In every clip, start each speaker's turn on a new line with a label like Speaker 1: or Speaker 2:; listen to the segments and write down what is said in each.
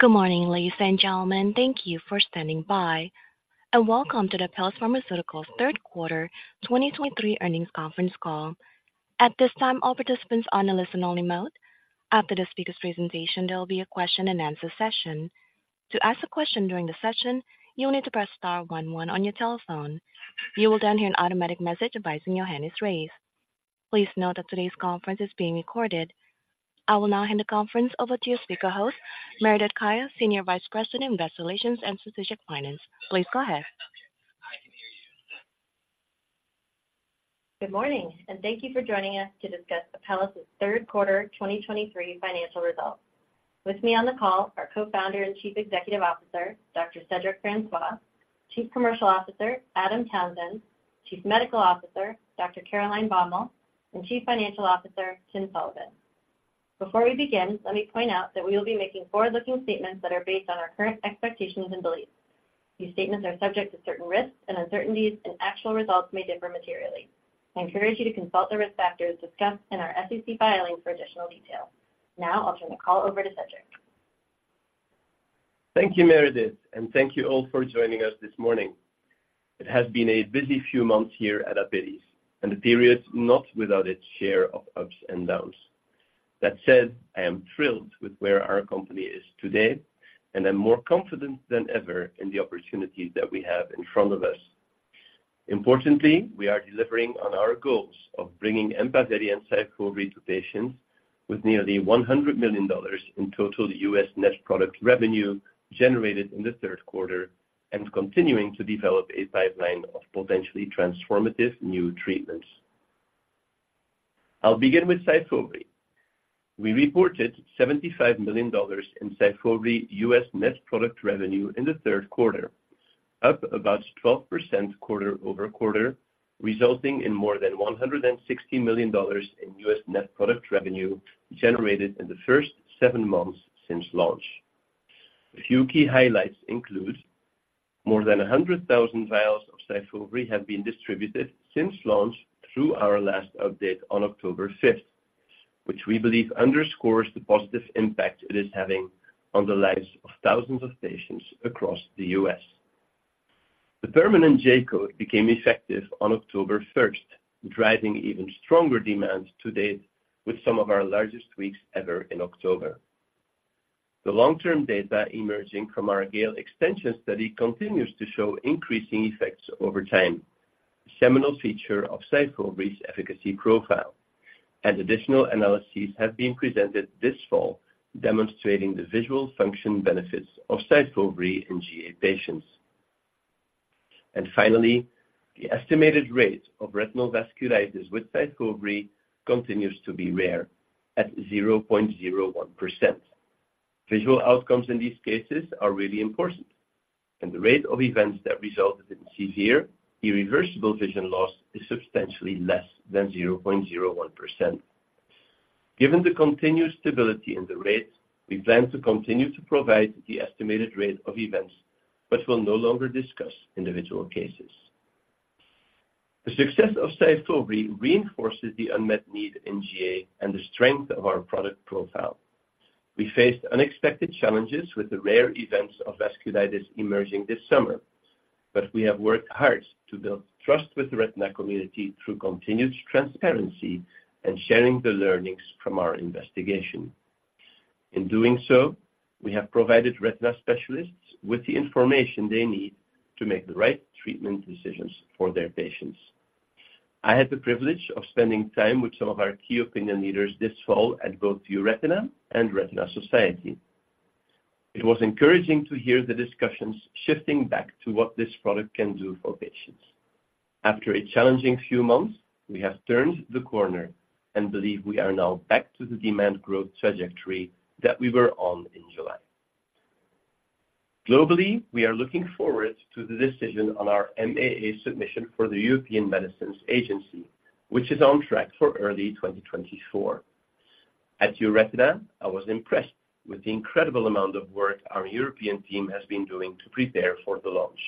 Speaker 1: Good morning, ladies and gentlemen. Thank you for standing by, and welcome to the Apellis Pharmaceuticals Third Quarter 2023 Earnings Conference Call. At this time, all participants are on a listen-only mode. After the speaker's presentation, there will be a question-and-answer session. To ask a question during the session, you will need to press star one one on your telephone. You will then hear an automatic message advising your hand is raised. Please note that today's conference is being recorded. I will now hand the conference over to your speaker host, Meredith Kaya, Senior Vice President, Investor Relations and Strategic Finance. Please go ahead.
Speaker 2: Good morning, and thank you for joining us to discuss Apellis' Third Quarter 2023 Financial Results. With me on the call are Co-founder and Chief Executive Officer, Dr. Cedric Francois; Chief Commercial Officer, Adam Townsend; Chief Medical Officer, Dr. Caroline Baumal; and Chief Financial Officer, Tim Sullivan. Before we begin, let me point out that we will be making forward-looking statements that are based on our current expectations and beliefs. These statements are subject to certain risks and uncertainties, and actual results may differ materially. I encourage you to consult the risk factors discussed in our SEC filing for additional detail. Now, I'll turn the call over to Cedric.
Speaker 3: Thank you, Meredith, and thank you all for joining us this morning. It has been a busy few months here at Apellis, and a period not without its share of ups and downs. That said, I am thrilled with where our company is today, and I'm more confident than ever in the opportunities that we have in front of us. Importantly, we are delivering on our goals of bringing EMPAVELI and SYFOVRE to patients with nearly $100 million in total U.S. net product revenue generated in the third quarter, and continuing to develop a pipeline of potentially transformative new treatments. I'll begin with SYFOVRE. We reported $75 million in SYFOVRE U.S. net product revenue in the third quarter, up about 12% quarter-over-quarter, resulting in more than $160 million in U.S. net product revenue generated in the first seven months since launch. A few key highlights include more than 100,000 vials of SYFOVRE have been distributed since launch through our last update on October 5th, which we believe underscores the positive impact it is having on the lives of thousands of patients across the U.S. The permanent J-code became effective on October 1st, driving even stronger demand to date with some of our largest weeks ever in October. The long-term data emerging from our GALE extension study continues to show increasing effects over time, a seminal feature of SYFOVRE's efficacy profile, and additional analyses have been presented this fall, demonstrating the visual function benefits of SYFOVRE in GA patients. And finally, the estimated rate of retinal vasculitis with SYFOVRE continues to be rare at 0.01%. Visual outcomes in these cases are really important, and the rate of events that resulted in severe, irreversible vision loss is substantially less than 0.01%. Given the continued stability in the rates, we plan to continue to provide the estimated rate of events, but will no longer discuss individual cases. The success of SYFOVRE reinforces the unmet need in GA and the strength of our product profile. We faced unexpected challenges with the rare events of vasculitis emerging this summer, but we have worked hard to build trust with the retina community through continuous transparency and sharing the learnings from our investigation. In doing so, we have provided retina specialists with the information they need to make the right treatment decisions for their patients. I had the privilege of spending time with some of our key opinion leaders this fall at both EURETINA and Retina Society. It was encouraging to hear the discussions shifting back to what this product can do for patients. After a challenging few months, we have turned the corner and believe we are now back to the demand growth trajectory that we were on in July. Globally, we are looking forward to the decision on our MAA submission for the European Medicines Agency, which is on track for early 2024. At EURETINA, I was impressed with the incredible amount of work our European team has been doing to prepare for the launch.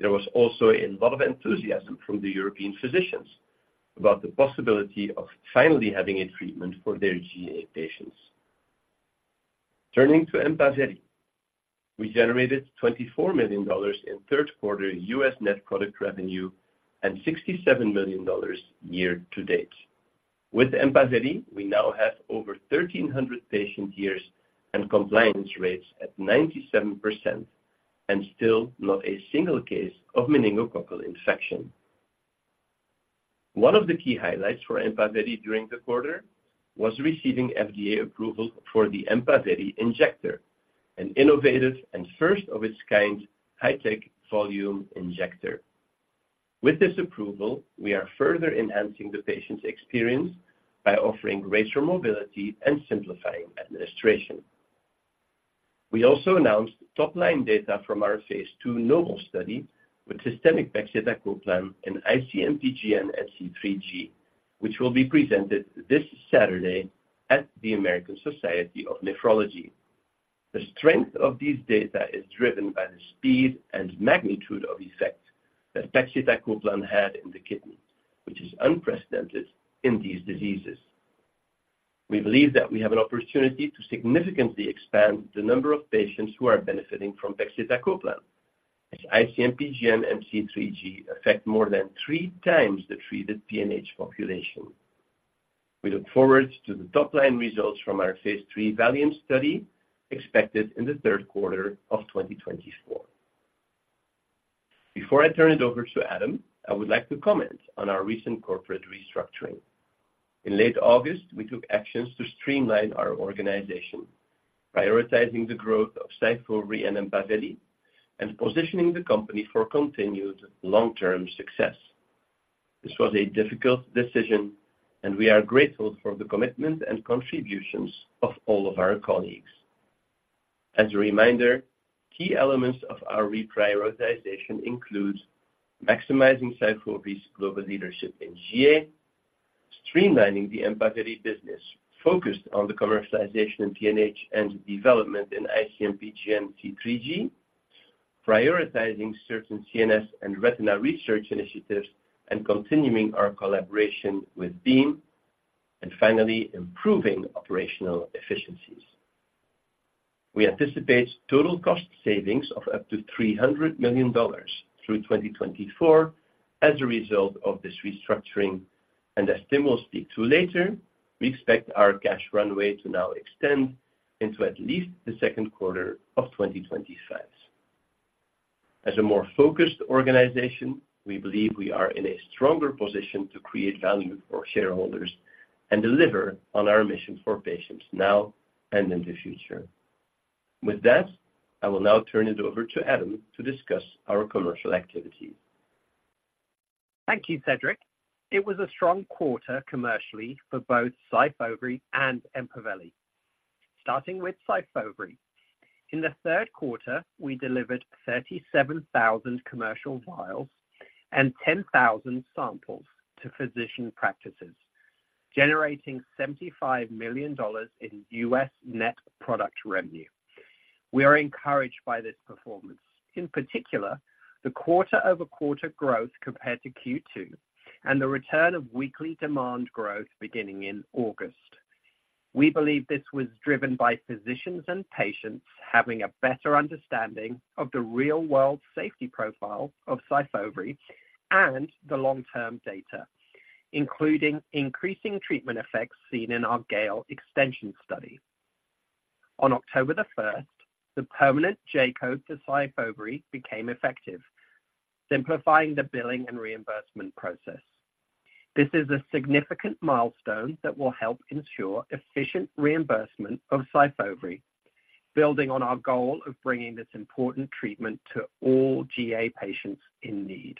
Speaker 3: There was also a lot of enthusiasm from the European physicians about the possibility of finally having a treatment for their GA patients. Turning to EMPAVELI, we generated $24 million in third quarter U.S. net product revenue and $67 million year-to-date. With EMPAVELI, we now have over 1,300 patient years and compliance rates at 97%, and still not a single case of meningococcal infection. One of the key highlights for EMPAVELI during the quarter was receiving FDA approval for the EMPAVELI Injector, an innovative and first-of-its-kind high-tech volume injector. With this approval, we are further enhancing the patient's experience by offering greater mobility and simplifying administration. We also announced top-line data from our phase II NOBLE study with systemic pegcetacoplan in IC-MPGN and C3G, which will be presented this Saturday at the American Society of Nephrology. The strength of these data is driven by the speed and magnitude of effect that pegcetacoplan had in the kidneys, which is unprecedented in these diseases. We believe that we have an opportunity to significantly expand the number of patients who are benefiting from pegcetacoplan, as IC-MPGN and C3G affect more than three times the treated PNH population. We look forward to the top-line results from our phase III VALIANT study, expected in the third quarter of 2024. Before I turn it over to Adam, I would like to comment on our recent corporate restructuring. In late August, we took actions to streamline our organization, prioritizing the growth of SYFOVRE and EMPAVELI, and positioning the company for continued long-term success. This was a difficult decision, and we are grateful for the commitment and contributions of all of our colleagues. As a reminder, key elements of our reprioritization include maximizing SYFOVRE's global leadership in GA, streamlining the EMPAVELI business focused on the commercialization in PNH and development in IC-MPGN C3G, prioritizing certain CNS and retina research initiatives, and continuing our collaboration with Beam, and finally, improving operational efficiencies. We anticipate total cost savings of up to $300 million through 2024 as a result of this restructuring, and as Tim will speak to later, we expect our cash runway to now extend into at least the second quarter of 2025. As a more focused organization, we believe we are in a stronger position to create value for shareholders and deliver on our mission for patients now and in the future. With that, I will now turn it over to Adam to discuss our commercial activities.
Speaker 4: Thank you, Cedric. It was a strong quarter commercially for both SYFOVRE and EMPAVELI. Starting with SYFOVRE. In the third quarter, we delivered 37,000 commercial vials and 10,000 samples to physician practices, generating $75 million in U.S. net product revenue. We are encouraged by this performance, in particular, the quarter-over-quarter growth compared to Q2 and the return of weekly demand growth beginning in August. We believe this was driven by physicians and patients having a better understanding of the real-world safety profile of SYFOVRE and the long-term data, including increasing treatment effects seen in our GALE extension study. On October 1st, the permanent J-code for SYFOVRE became effective, simplifying the billing and reimbursement process. This is a significant milestone that will help ensure efficient reimbursement of SYFOVRE, building on our goal of bringing this important treatment to all GA patients in need.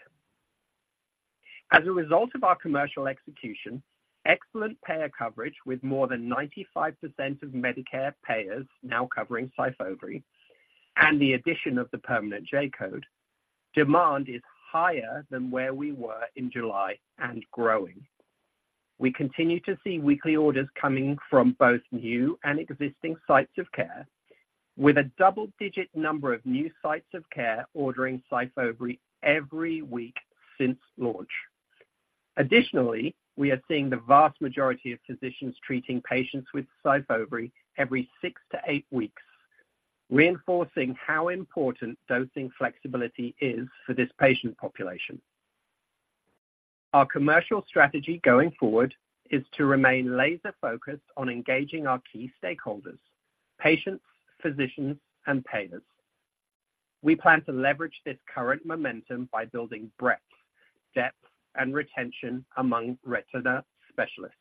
Speaker 4: As a result of our commercial execution, excellent payer coverage with more than 95% of Medicare payers now covering SYFOVRE, and the addition of the permanent J-code, demand is higher than where we were in July and growing. We continue to see weekly orders coming from both new and existing sites of care, with a double-digit number of new sites of care ordering SYFOVRE every week since launch. Additionally, we are seeing the vast majority of physicians treating patients with SYFOVRE every six to eight weeks, reinforcing how important dosing flexibility is for this patient population. Our commercial strategy going forward is to remain laser-focused on engaging our key stakeholders, patients, physicians, and payers. We plan to leverage this current momentum by building breadth, depth, and retention among retina specialists.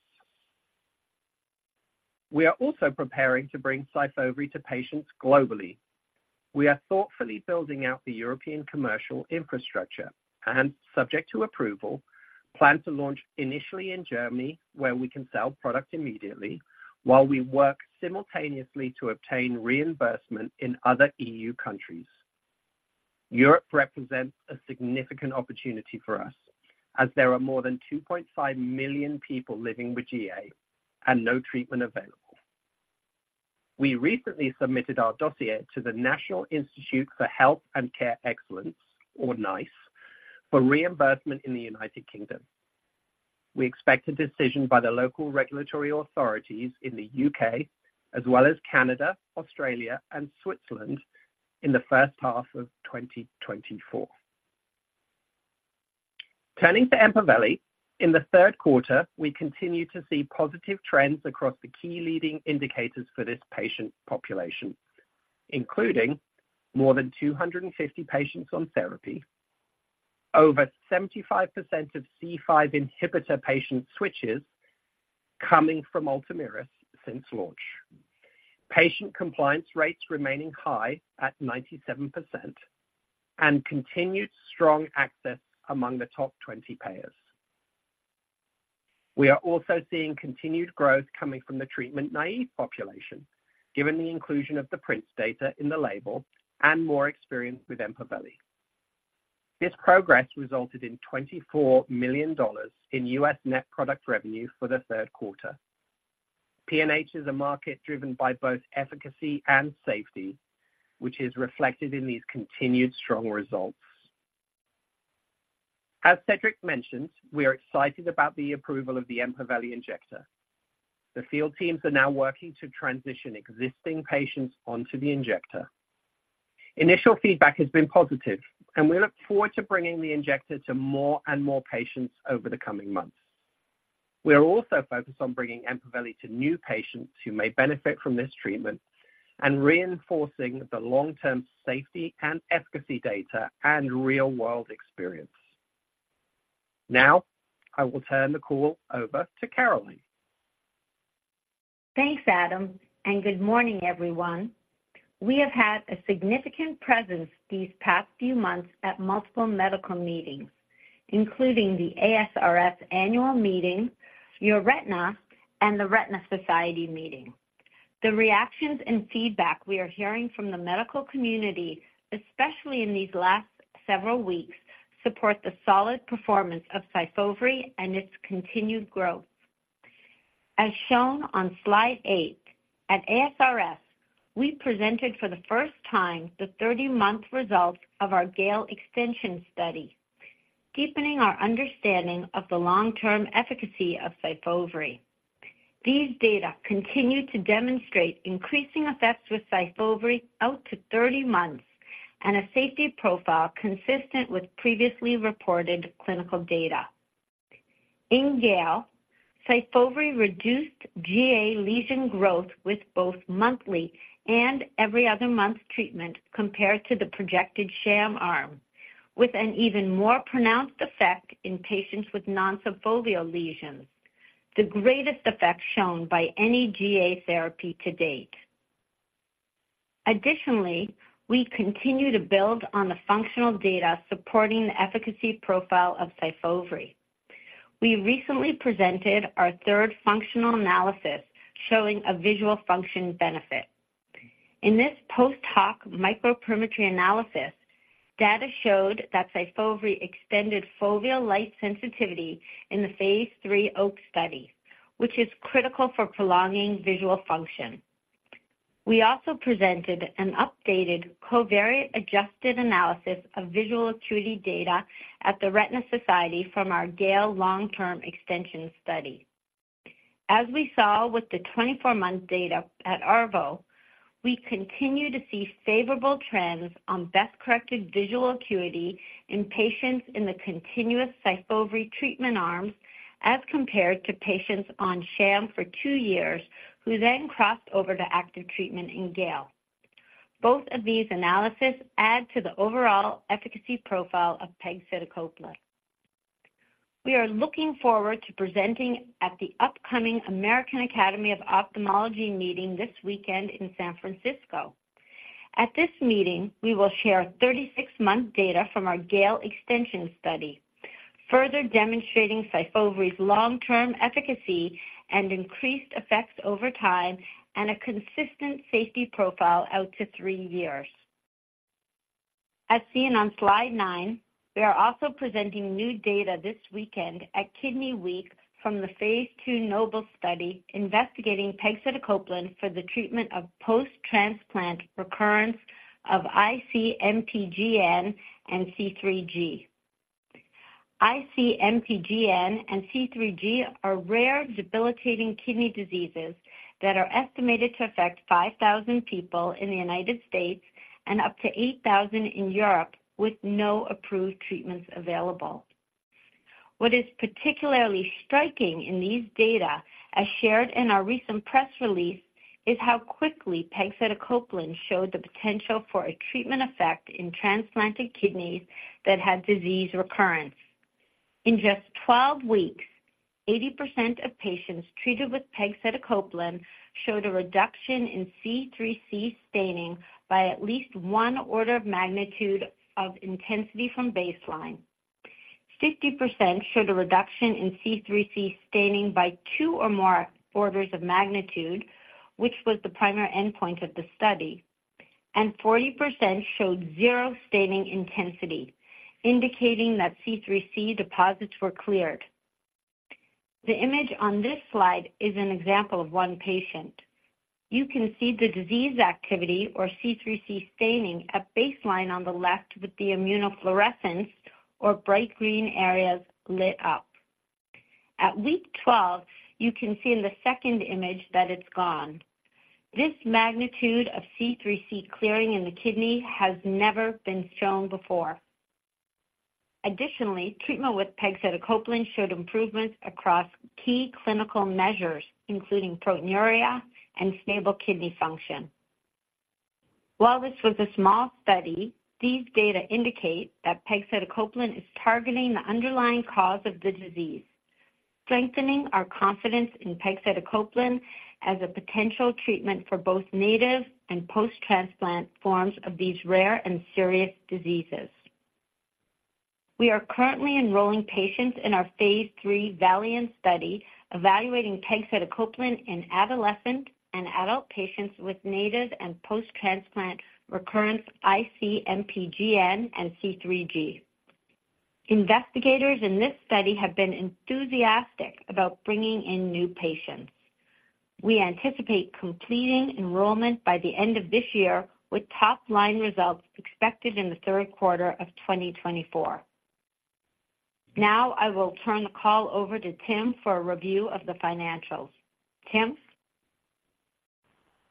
Speaker 4: We are also preparing to bring SYFOVRE to patients globally. We are thoughtfully building out the European commercial infrastructure and, subject to approval, plan to launch initially in Germany, where we can sell product immediately while we work simultaneously to obtain reimbursement in other E.U. countries. Europe represents a significant opportunity for us, as there are more than 2.5 million people living with GA and no treatment available. We recently submitted our dossier to the National Institute for Health and Care Excellence, or NICE, for reimbursement in the United Kingdom. We expect a decision by the local regulatory authorities in the U.K., as well as Canada, Australia, and Switzerland, in the first half of 2024. Turning to EMPAVELI. In the third quarter, we continued to see positive trends across the key leading indicators for this patient population, including more than 250 patients on therapy, over 75% of C5 inhibitor patient switches coming from ULTOMIRIS since launch. Patient compliance rates remaining high at 97% and continued strong access among the top 20 payers. We are also seeing continued growth coming from the treatment-naive population, given the inclusion of the PRINCE data in the label and more experience with EMPAVELI. This progress resulted in $24 million in U.S. net product revenue for the third quarter. PNH is a market driven by both efficacy and safety, which is reflected in these continued strong results. As Cedric mentioned, we are excited about the approval of the EMPAVELI Injector. The field teams are now working to transition existing patients onto the injector. Initial feedback has been positive, and we look forward to bringing the injector to more and more patients over the coming months. We are also focused on bringing EMPAVELI to new patients who may benefit from this treatment and reinforcing the long-term safety and efficacy data and real-world experience. Now, I will turn the call over to Caroline.
Speaker 5: Thanks, Adam, and good morning, everyone. We have had a significant presence these past few months at multiple medical meetings, including the ASRS annual meeting, EURETINA, and The Retina Society meeting. The reactions and feedback we are hearing from the medical community, especially in these last several weeks, support the solid performance of SYFOVRE and its continued growth. As shown on slide eight, at ASRS, we presented for the first time the 30-month results of our GALE extension study, deepening our understanding of the long-term efficacy of SYFOVRE. These data continue to demonstrate increasing effects with SYFOVRE out to 30 months and a safety profile consistent with previously reported clinical data. In GALE, SYFOVRE reduced GA lesion growth with both monthly and every other month treatment compared to the projected sham arm, with an even more pronounced effect in patients with non-foveal lesions, the greatest effect shown by any GA therapy to date. Additionally, we continue to build on the functional data supporting the efficacy profile of SYFOVRE. We recently presented our third functional analysis showing a visual function benefit. In this post-hoc microperimetry analysis, data showed that SYFOVRE extended foveal light sensitivity in the phase III OAKS study, which is critical for prolonging visual function. We also presented an updated covariate-adjusted analysis of visual acuity data at the Retina Society from our GALE long-term extension study. As we saw with the 24-month data at ARVO, we continue to see favorable trends on best-corrected visual acuity in patients in the continuous SYFOVRE treatment arms, as compared to patients on sham for two years, who then crossed over to active treatment in GALE. Both of these analysis add to the overall efficacy profile of pegcetacoplan. We are looking forward to presenting at the upcoming American Academy of Ophthalmology meeting this weekend in San Francisco. At this meeting, we will share 36-month data from our GALE extension study, further demonstrating SYFOVRE's long-term efficacy and increased effects over time, and a consistent safety profile out to three years. As seen on slide nine, we are also presenting new data this weekend at Kidney Week from the phase II NOBLE study, investigating pegcetacoplan for the treatment of post-transplant recurrence of IC-MPGN and C3G. IC-MPGN and C3G are rare, debilitating kidney diseases that are estimated to affect 5,000 people in the United States and up to 8,000 in Europe, with no approved treatments available. What is particularly striking in these data, as shared in our recent press release, is how quickly pegcetacoplan showed the potential for a treatment effect in transplanted kidneys that had disease recurrence. In just 12 weeks, 80% of patients treated with pegcetacoplan showed a reduction in C3c staining by at least one order of magnitude of intensity from baseline. 50% showed a reduction in C3c staining by two or more orders of magnitude, which was the primary endpoint of the study, and 40% showed zero staining intensity, indicating that C3c deposits were cleared. The image on this slide is an example of one patient. You can see the disease activity or C3c staining at baseline on the left with the immunofluorescence or bright green areas lit up. At week 12, you can see in the second image that it's gone. This magnitude of C3c clearing in the kidney has never been shown before. Additionally, treatment with pegcetacoplan showed improvements across key clinical measures, including proteinuria and stable kidney function. While this was a small study, these data indicate that pegcetacoplan is targeting the underlying cause of the disease, strengthening our confidence in pegcetacoplan as a potential treatment for both native and post-transplant forms of these rare and serious diseases. We are currently enrolling patients in our phase III VALIANT study, evaluating pegcetacoplan in adolescent and adult patients with native and post-transplant recurrence IC-MPGN and C3G. Investigators in this study have been enthusiastic about bringing in new patients. We anticipate completing enrollment by the end of this year, with top-line results expected in the third quarter of 2024. Now, I will turn the call over to Tim for a review of the financials. Tim?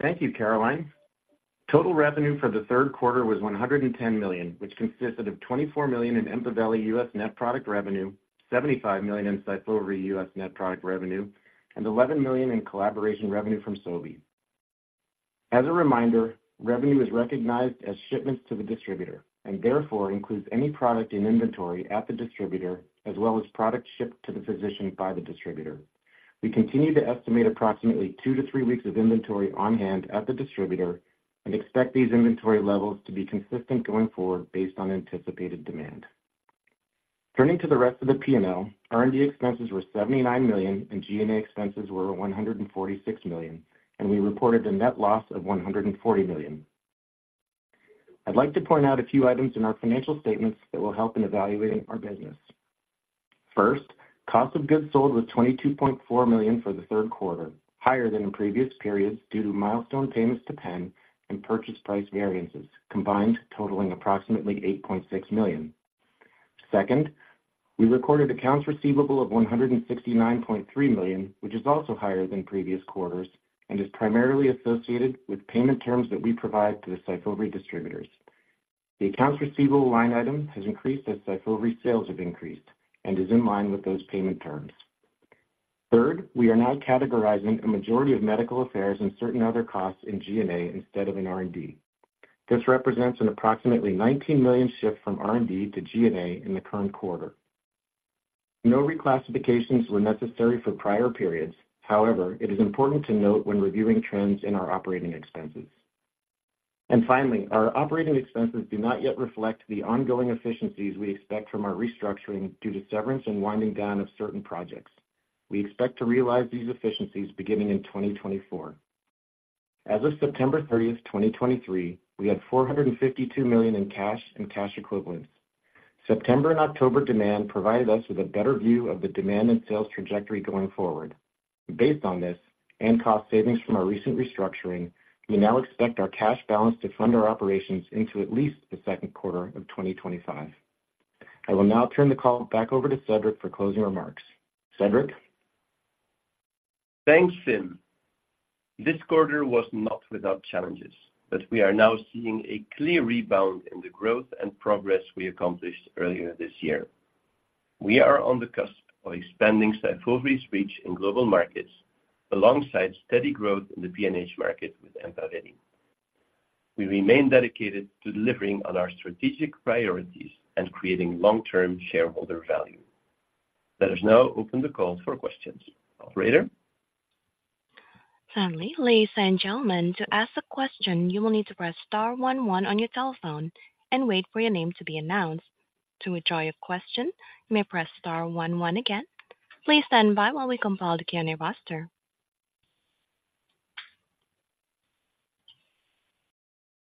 Speaker 6: Thank you, Caroline. Total revenue for the third quarter was $110 million, which consisted of $24 million in EMPAVELI U.S. net product revenue, $75 million in SYFOVRE U.S. net product revenue, and $11 million in collaboration revenue from Sobi. As a reminder, revenue is recognized as shipments to the distributor, and therefore includes any product in inventory at the distributor, as well as product shipped to the physician by the distributor. We continue to estimate approximately two to three weeks of inventory on hand at the distributor and expect these inventory levels to be consistent going forward based on anticipated demand. Turning to the rest of the P&L, R&D expenses were $79 million and G&A expenses were $146 million, and we reported a net loss of $140 million. I'd like to point out a few items in our financial statements that will help in evaluating our business. First, cost of goods sold was $22.4 million for the third quarter, higher than in previous periods due to milestone payments to Penn and purchase price variances, combined totaling approximately $8.6 million. Second, we recorded accounts receivable of $169.3 million, which is also higher than previous quarters and is primarily associated with payment terms that we provide to the SYFOVRE distributors. The accounts receivable line item has increased as SYFOVRE sales have increased and is in line with those payment terms. Third, we are now categorizing a majority of medical affairs and certain other costs in G&A instead of in R&D. This represents an approximately $19 million shift from R&D to G&A in the current quarter. No reclassifications were necessary for prior periods. However, it is important to note when reviewing trends in our operating expenses. Finally, our operating expenses do not yet reflect the ongoing efficiencies we expect from our restructuring due to severance and winding down of certain projects. We expect to realize these efficiencies beginning in 2024. As of September 30th, 2023, we had $452 million in cash and cash equivalents. September and October demand provided us with a better view of the demand and sales trajectory going forward. Based on this, and cost savings from our recent restructuring, we now expect our cash balance to fund our operations into at least the second quarter of 2025. I will now turn the call back over to Cedric for closing remarks. Cedric?
Speaker 3: Thanks, Tim. This quarter was not without challenges, but we are now seeing a clear rebound in the growth and progress we accomplished earlier this year. We are on the cusp of expanding SYFOVRE's reach in global markets, alongside steady growth in the PNH market with EMPAVELI. We remain dedicated to delivering on our strategic priorities and creating long-term shareholder value. Let us now open the call for questions. Operator?
Speaker 1: Finally, ladies and gentlemen, to ask a question, you will need to press star one one on your telephone and wait for your name to be announced. To withdraw your question, you may press star one one again. Please stand by while we compile the Q&A roster.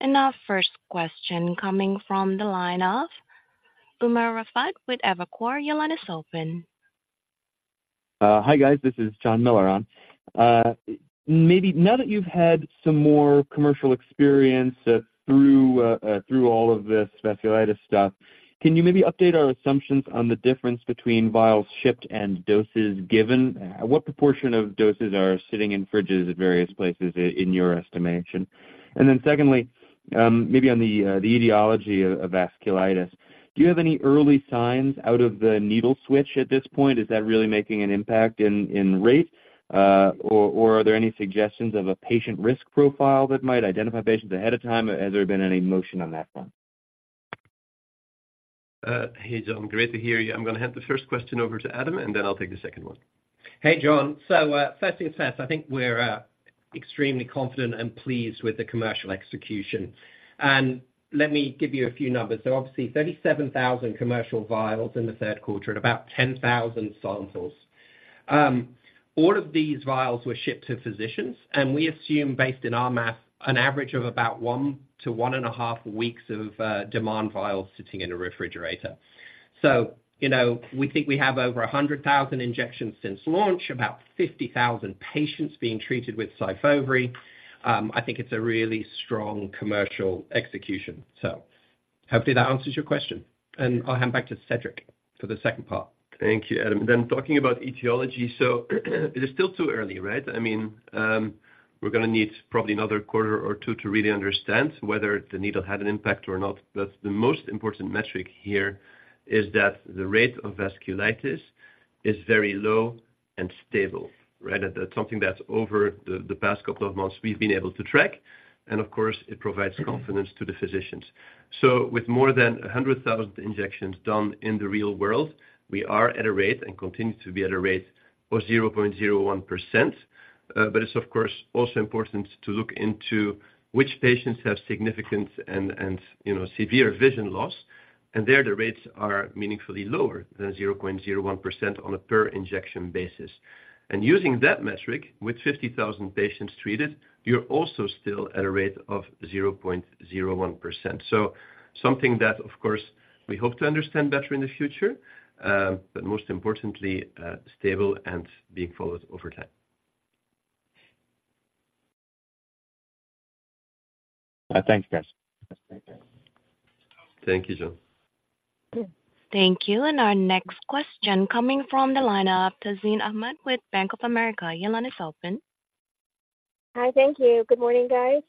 Speaker 1: Our first question coming from the line of Umer Raffat with Evercore. Your line is open.
Speaker 7: Hi, guys, this is John Miller on. Maybe now that you've had some more commercial experience, through all of this vasculitis stuff, can you maybe update our assumptions on the difference between vials shipped and doses given? What proportion of doses are sitting in fridges at various places in your estimation? And then secondly, maybe on the etiology of vasculitis, do you have any early signs out of the needle switch at this point? Is that really making an impact in rate, or are there any suggestions of a patient risk profile that might identify patients ahead of time? Has there been any motion on that front?
Speaker 3: Hey, Jon, great to hear you. I'm gonna hand the first question over to Adam, and then I'll take the second one.
Speaker 4: Hey, Jon. So, first things first, I think we're extremely confident and pleased with the commercial execution. And let me give you a few numbers. So obviously, 37,000 commercial vials in the third quarter at about 10,000 samples. All of these vials were shipped to physicians, and we assume, based on our math, an average of about one to 1.5 weeks of demand vials sitting in a refrigerator. So you know, we think we have over 100,000 injections since launch, about 50,000 patients being treated with SYFOVRE. I think it's a really strong commercial execution. So hopefully that answers your question. And I'll hand back to Cedric for the second part.
Speaker 3: Thank you, Adam. Then talking about etiology, so, it is still too early, right? I mean, we're gonna need probably another quarter or two to really understand whether the needle had an impact or not. But the most important metric here is that the rate of vasculitis is very low and stable, right? That's something that over the past couple of months, we've been able to track, and of course, it provides confidence to the physicians. So with more than 100,000 injections done in the real world, we are at a rate and continue to be at a rate of 0.01%. But it's, of course, also important to look into which patients have significant and you know, severe vision loss, and there, the rates are meaningfully lower than 0.01% on a per injection basis. Using that metric, with 50,000 patients treated, you're also still at a rate of 0.01%. So something that, of course, we hope to understand better in the future, but most importantly, stable and being followed over time.
Speaker 7: Thank you, guys.
Speaker 3: Thank you, Jon.
Speaker 1: Thank you. Our next question coming from the line of Tazeen Ahmad with Bank of America. Your line is open.
Speaker 8: Hi. Thank you. Good morning, guys.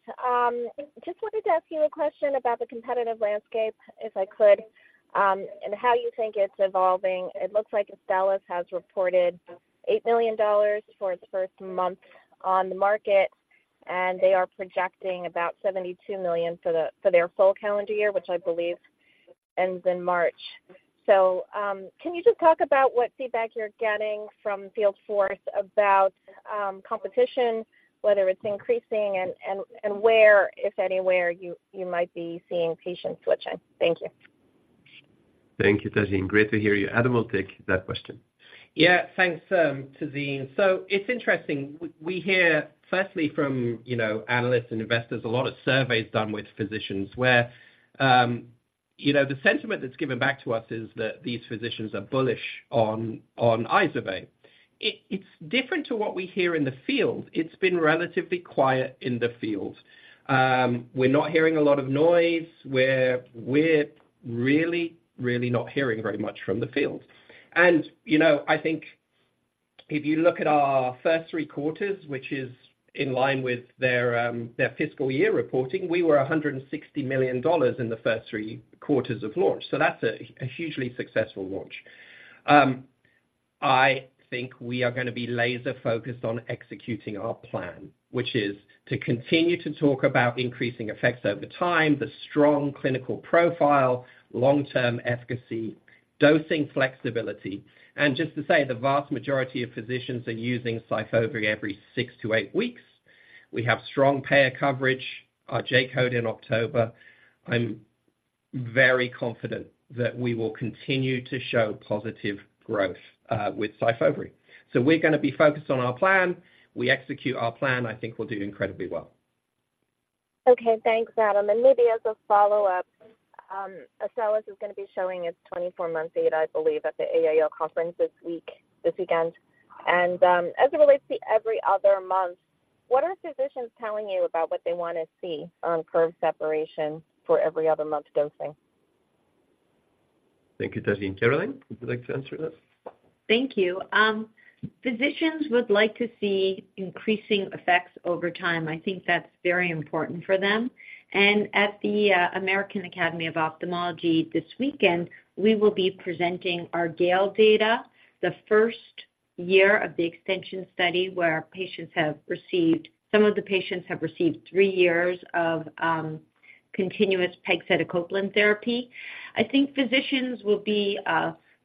Speaker 8: Just wanted to ask you a question about the competitive landscape, if I could, and how you think it's evolving. It looks like Astellas has reported $8 million for its first month on the market, and they are projecting about $72 million for their full calendar year, which I believe ends in March. Can you just talk about what feedback you're getting from field force about competition, whether it's increasing and where, if anywhere, you might be seeing patients switching? Thank you.
Speaker 3: Thank you, Tazeen. Great to hear you. Adam will take that question.
Speaker 4: Yeah. Thanks, Tazeen. So it's interesting. We hear firstly from, you know, analysts and investors, a lot of surveys done with physicians where, you know, the sentiment that's given back to us is that these physicians are bullish on IZERVAY. It's different to what we hear in the field. It's been relatively quiet in the field. We're not hearing a lot of noise. We're really, really not hearing very much from the field. And, you know, I think if you look at our first three quarters, which is in line with their fiscal year reporting, we were $160 million in the first three quarters of launch, so that's a hugely successful launch. I think we are gonna be laser focused on executing our plan, which is to continue to talk about increasing effects over time, the strong clinical profile, long-term efficacy, dosing flexibility. And just to say, the vast majority of physicians are using SYFOVRE every six to eight weeks. We have strong payer coverage, our J-code in October. I'm very confident that we will continue to show positive growth with SYFOVRE. So we're gonna be focused on our plan. We execute our plan, I think we'll do incredibly well.
Speaker 8: Okay. Thanks, Adam. And maybe as a follow-up, Astellas is gonna be showing its 24-month data, I believe, at the AAO conference this week, this weekend. And, as it relates to every other month, what are physicians telling you about what they wanna see on curve separation for every other month dosing?
Speaker 3: Thank you, Tazeen. Caroline, would you like to answer that?
Speaker 5: Thank you. Physicians would like to see increasing effects over time. I think that's very important for them. And at the American Academy of Ophthalmology this weekend, we will be presenting our GALE data, the first year of the extension study, where our patients have received some of the patients have received three years of continuous pegcetacoplan therapy. I think physicians will be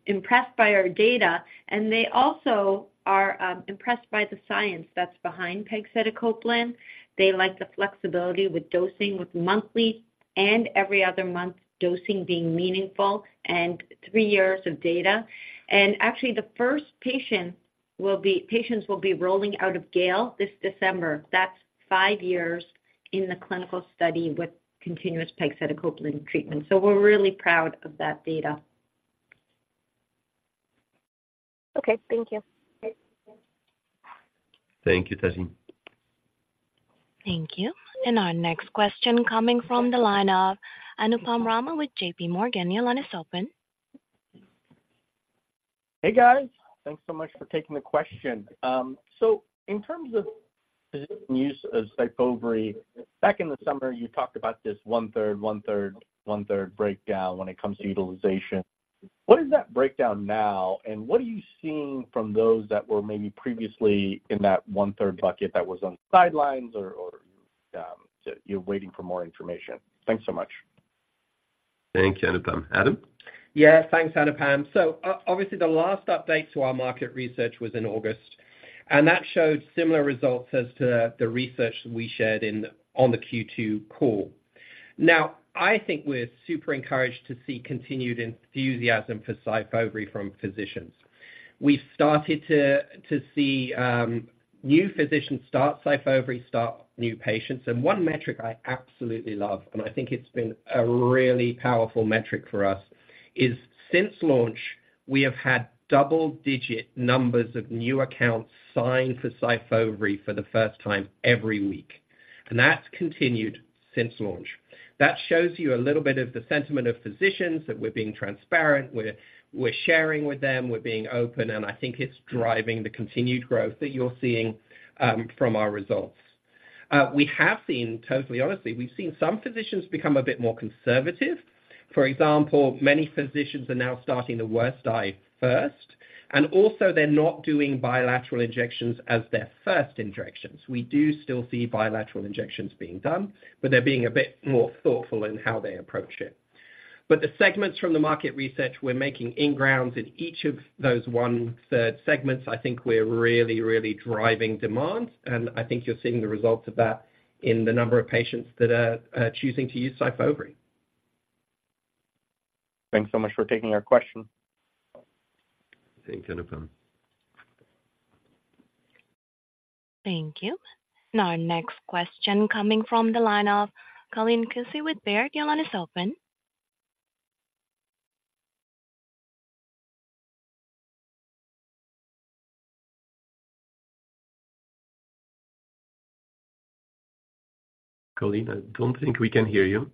Speaker 5: impressed by our data, and they also are impressed by the science that's behind pegcetacoplan. They like the flexibility with dosing, with monthly and every other month dosing being meaningful and three years of data. And actually, patients will be rolling out of GALE this December. That's five years in the clinical study with continuous pegcetacoplan treatment. So we're really proud of that data.
Speaker 8: Okay. Thank you.
Speaker 3: Thank you, Tazeen.
Speaker 1: Thank you. Our next question coming from the line of Anupam Rama with JPMorgan. Your line is open.
Speaker 9: Hey, guys. Thanks so much for taking the question. So in terms of physician use of SYFOVRE, back in the summer, you talked about this 1/3, 1/3, 1/3 breakdown when it comes to utilization. What is that breakdown now, and what are you seeing from those that were maybe previously in that 1/3 bucket that was on the sidelines or, you're waiting for more information? Thanks so much.
Speaker 3: Thank you, Anupam. Adam?
Speaker 4: Yeah. Thanks, Anupam. So obviously, the last update to our market research was in August, and that showed similar results as to the research we shared in on the Q2 call. Now, I think we're super encouraged to see continued enthusiasm for SYFOVRE from physicians. We've started to see new physicians start SYFOVRE, start new patients. And one metric I absolutely love, and I think it's been a really powerful metric for us, is since launch, we have had double digit numbers of new accounts signed for SYFOVRE for the first time every week, and that's continued since launch. That shows you a little bit of the sentiment of physicians, that we're being transparent, we're sharing with them, we're being open, and I think it's driving the continued growth that you're seeing from our results. We have seen, totally honestly, we've seen some physicians become a bit more conservative. For example, many physicians are now starting the worst eye first, and also they're not doing bilateral injections as their first injections. We do still see bilateral injections being done, but they're being a bit more thoughtful in how they approach it. But the segments from the market research, we're making in grounds in each of those 1/3 segments. I think we're really, really driving demand, and I think you're seeing the results of that in the number of patients that are choosing to use SYFOVRE.
Speaker 9: Thanks so much for taking our question.
Speaker 3: Thanks, Anupam.
Speaker 1: Thank you. Now our next question coming from the line of Colleen Kusy with Baird. Your line is open.
Speaker 3: Colleen, I don't think we can hear you.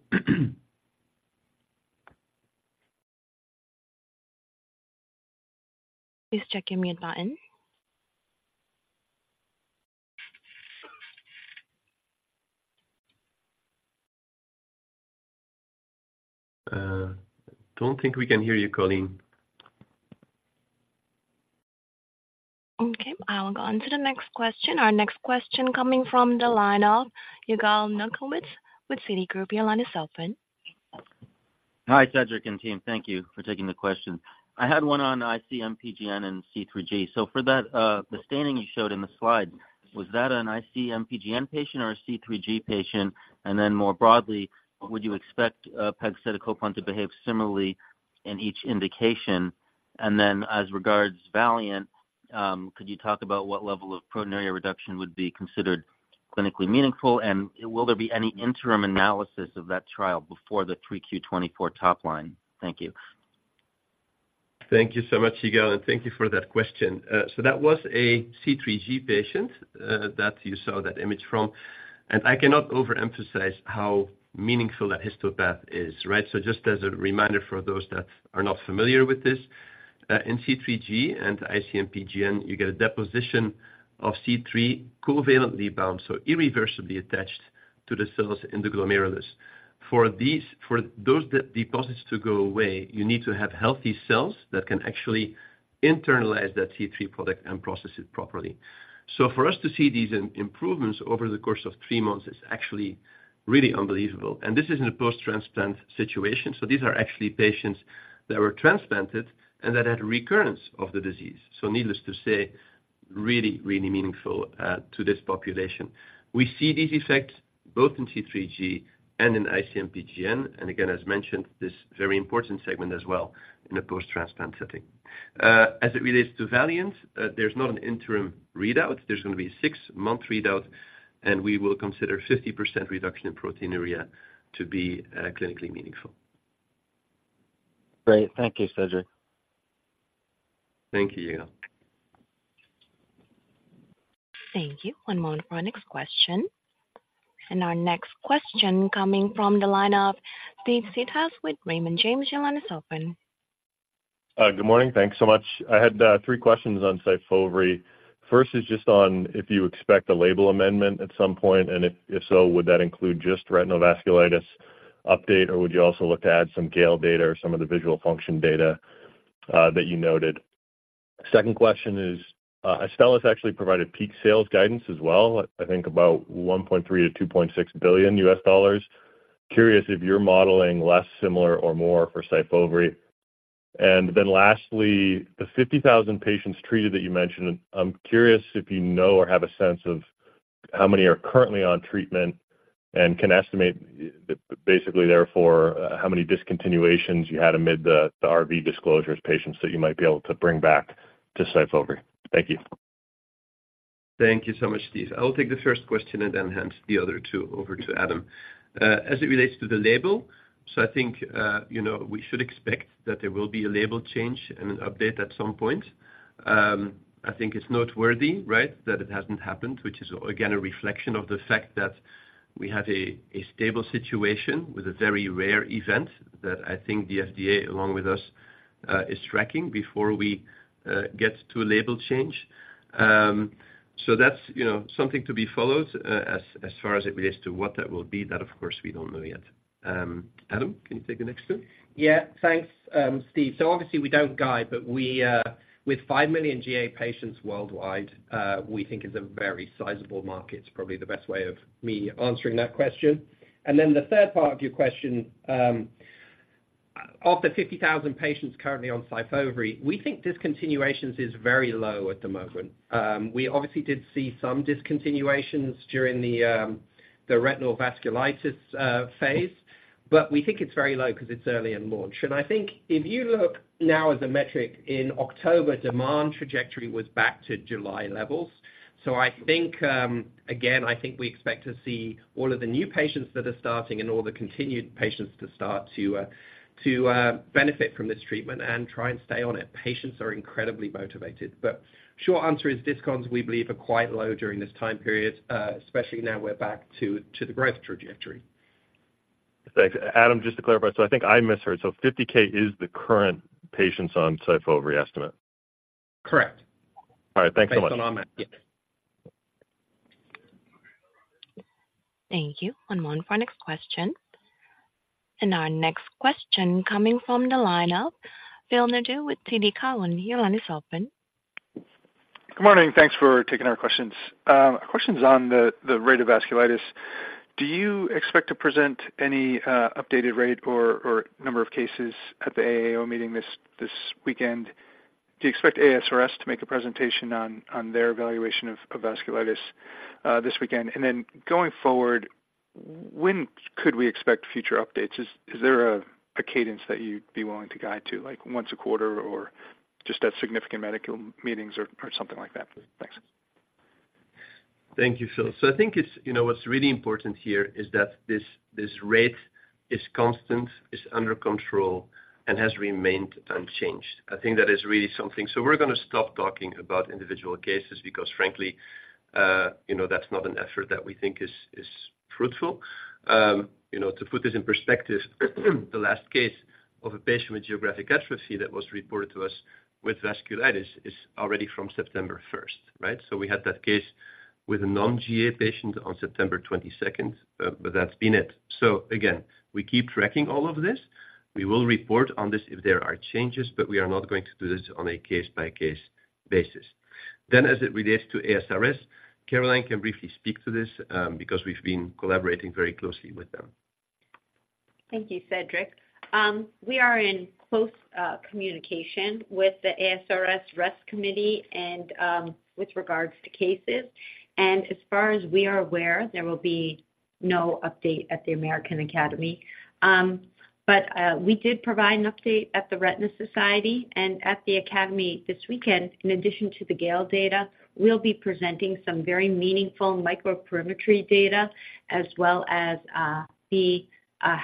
Speaker 1: Please check your mute button.
Speaker 3: Don't think we can hear you, Colleen.
Speaker 1: Okay, I'll go on to the next question. Our next question coming from the line of Yigal Nochomovitz with Citigroup. Your line is open.
Speaker 10: Hi, Cedric and team. Thank you for taking the question. I had one on IC-MPGN and C3G. So for that, the staining you showed in the slide, was that an IC-MPGN patient or a C3G patient? And then more broadly, would you expect, pegcetacoplan to behave similarly in each indication? And then as regards VALIANT, could you talk about what level of proteinuria reduction would be considered clinically meaningful, and will there be any interim analysis of that trial before the 3Q 2024 top line? Thank you.
Speaker 3: Thank you so much, Yigal, and thank you for that question. So that was a C3G patient, that you saw that image from, and I cannot overemphasize how meaningful that histopath is, right? So just as a reminder, for those that are not familiar with this, in C3G and IC-MPGN, you get a deposition of C3 covalently bound, so irreversibly attached to the cells in the glomerulus. For those deposits to go away, you need to have healthy cells that can actually internalize that C3 product and process it properly. So for us to see these improvements over the course of three months is actually really unbelievable. And this is in a post-transplant situation, so these are actually patients that were transplanted and that had recurrence of the disease. So needless to say, really, really meaningful, to this population. We see these effects both in C3G and in IC-MPGN, and again, as mentioned, this very important segment as well in a post-transplant setting. As it relates to VALIANT, there's not an interim readout. There's going to be a six-month readout, and we will consider 50% reduction in proteinuria to be clinically meaningful.
Speaker 10: Great. Thank you, Cedric.
Speaker 3: Thank you, Yigal.
Speaker 1: Thank you. One moment for our next question. Our next question coming from the line of Steve Seedhouse with Raymond James. Your line is open.
Speaker 11: Good morning. Thanks so much. I had three questions on SYFOVRE. First is just on if you expect a label amendment at some point, and if so, would that include just retinal vasculitis update, or would you also look to add some GALE data or some of the visual function data that you noted? Second question is, Astellas actually provided peak sales guidance as well, I think about $1.3 billion-$2.6 billion. Curious if you're modeling less, similar or more for SYFOVRE. And then lastly, the 50,000 patients treated that you mentioned, I'm curious if you know or have a sense of how many are currently on treatment and can estimate basically therefore, how many discontinuations you had amid the, the RV disclosures, patients that you might be able to bring back to SYFOVRE. Thank you.
Speaker 3: Thank you so much, Steve. I will take the first question and then hand the other two over to Adam. As it relates to the label, so I think, you know, we should expect that there will be a label change and an update at some point. I think it's noteworthy, right, that it hasn't happened, which is again, a reflection of the fact that we have a stable situation with a very rare event that I think the FDA, along with us, is tracking before we get to a label change. So that's, you know, something to be followed, as far as it relates to what that will be, that, of course, we don't know yet. Adam, can you take the next two?
Speaker 4: Yeah. Thanks, Steve. So obviously we don't guide, but we, with five million GA patients worldwide, we think it's a very sizable market. It's probably the best way of me answering that question. And then the third part of your question, of the 50,000 patients currently on SYFOVRE, we think discontinuations is very low at the moment. We obviously did see some discontinuations during the retinal vasculitis phase, but we think it's very low because it's early in launch. And I think if you look now as a metric in October, demand trajectory was back to July levels. So I think, again, I think we expect to see all of the new patients that are starting and all the continued patients to start to benefit from this treatment and try and stay on it. Patients are incredibly motivated, but short answer is discons, we believe, are quite low during this time period, especially now we're back to the growth trajectory.
Speaker 11: Thanks. Adam, just to clarify, so I think I misheard. 50,000 is the current patients on SYFOVRE estimate?
Speaker 4: Correct.
Speaker 11: All right. Thanks so much.
Speaker 4: Based on our math, yes.
Speaker 1: Thank you. One moment for our next question. Our next question coming from the line of Phil Nadeau with TD Cowen. Your line is open.
Speaker 12: Good morning. Thanks for taking our questions. Our question's on the rate of vasculitis. Do you expect to present any updated rate or number of cases at the AAO meeting this weekend? Do you expect ASRS to make a presentation on their evaluation of vasculitis this weekend? And then going forward, when could we expect future updates? Is there a cadence that you'd be willing to guide to, like once a quarter or just at significant medical meetings or something like that? Thanks.
Speaker 3: Thank you, Phil. So I think it's, you know, what's really important here is that this rate is constant, under control, and has remained unchanged. I think that is really something. So we're going to stop talking about individual cases because frankly, you know, that's not an effort that we think is fruitful. You know, to put this in perspective, the last case of a patient with geographic atrophy that was reported to us with vasculitis is already from September 1st, right? So we had that case with a non-GA patient on September 22nd, but that's been it. So again, we keep tracking all of this. We will report on this if there are changes, but we are not going to do this on a case-by-case basis. Then as it relates to ASRS, Caroline can briefly speak to this, because we've been collaborating very closely with them.
Speaker 5: Thank you, Cedric. We are in close communication with the ASRS ReST Committee and with regards to cases. As far as we are aware, there will be no update at the American Academy. But we did provide an update at The Retina Society and at the academy this weekend, in addition to the GALE data, we'll be presenting some very meaningful microperimetry data, as well as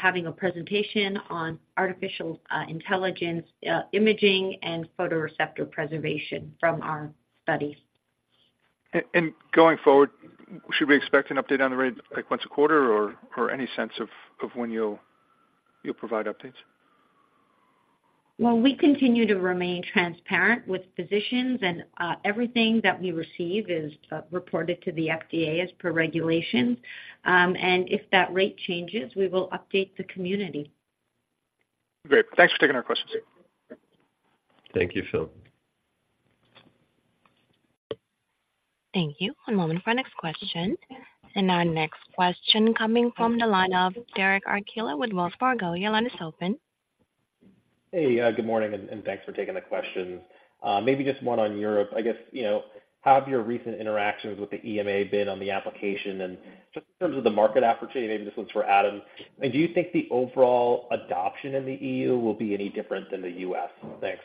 Speaker 5: having a presentation on artificial intelligence imaging and photoreceptor preservation from our studies.
Speaker 12: Going forward, should we expect an update on the rate, like once a quarter or any sense of when you'll provide updates?
Speaker 5: Well, we continue to remain transparent with physicians, and everything that we receive is reported to the FDA as per regulation. If that rate changes, we will update the community.
Speaker 12: Great. Thanks for taking our questions.
Speaker 3: Thank you, Phil.
Speaker 1: Thank you. One moment for our next question. Our next question coming from the line of Derek Archila with Wells Fargo. Your line is open.
Speaker 13: Hey, good morning, and thanks for taking the question. Maybe just one on Europe. I guess, you know, how have your recent interactions with the EMA been on the application? And just in terms of the market opportunity, maybe this one's for Adam, and do you think the overall adoption in the E.U. will be any different than the U.S.? Thanks.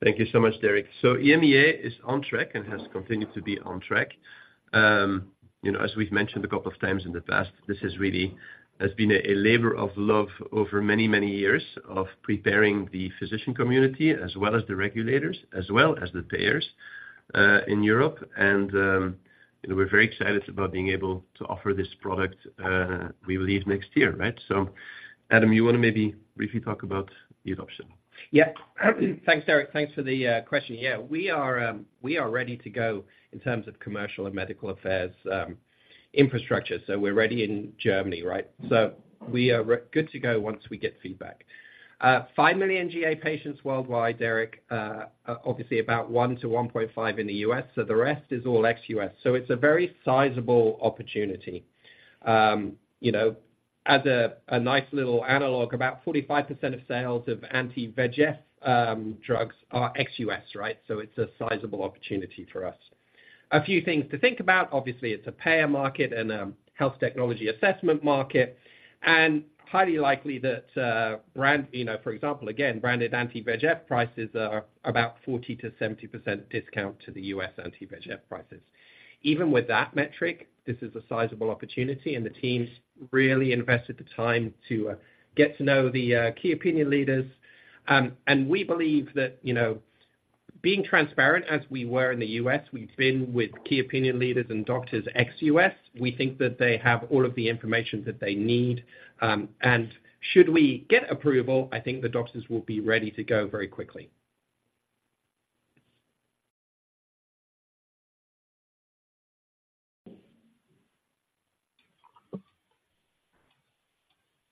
Speaker 3: Thank you so much, Derek. So EMEA is on track and has continued to be on track. You know, as we've mentioned a couple of times in the past, this has really been a labor of love over many, many years of preparing the physician community, as well as the regulators, as well as the payers, in Europe. And, you know, we're very excited about being able to offer this product, we believe next year, right? So Adam, you want to maybe briefly talk about the adoption?
Speaker 4: Yeah. Thanks, Derek. Thanks for the question. Yeah, we are ready to go in terms of commercial and medical affairs infrastructure. So we're ready in Germany, right? So we are good to go once we get feedback. Five million GA patients worldwide, Derek, obviously about one to 1.5 in the U.S., so the rest is all ex-U.S. So it's a very sizable opportunity. You know, as a nice little analog, about 45% of sales of anti-VEGF drugs are ex-U.S., right? So it's a sizable opportunity for us. A few things to think about. Obviously, it's a payer market and a health technology assessment market, and highly likely that, brand you know, for example, again, branded anti-VEGF prices are about 40%-70% discount to the U.S. anti-VEGF prices. Even with that metric, this is a sizable opportunity, and the teams really invested the time to get to know the key opinion leaders. And we believe that, you know, being transparent as we were in the U.S., we've been with key opinion leaders and doctors, ex-U.S., we think that they have all of the information that they need. And should we get approval, I think the doctors will be ready to go very quickly.